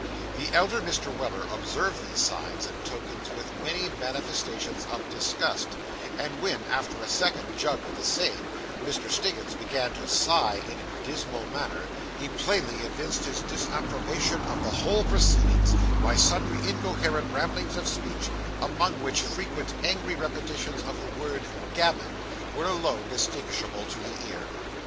The elder Mr. Weller observed these signs and tokens with many manifestations of disgust, and when, after a second jug of the same, Mr. Stiggins began to sigh in a dismal manner, he plainly evinced his disapprobation of the whole proceedings, by sundry incoherent ramblings of speech, among which frequent angry repetitions of the word 'gammon' were alone distinguishable to the ear.